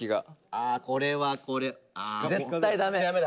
ああこれはこれ。